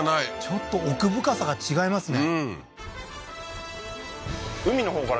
ちょっと奥深さが違いますね